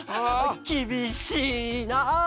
きびしいな！